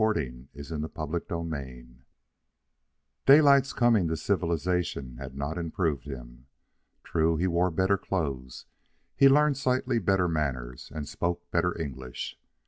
Son, forget it." CHAPTER VIII Daylight's coming to civilization had not improved him. True, he wore better clothes, had learned slightly better manners, and spoke better English.